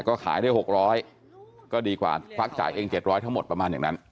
อ่าก็ขายได้หกร้อยก็ดีกว่าฟักจ่ายเองเจ็ดร้อยทั้งหมดประมาณอย่างนั้น